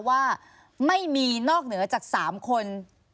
ว่าไม่มีนอกเหนือจาก๓คน